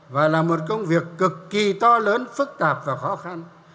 và là một công việc cực kỳ to lớn phức tạp và khó khăn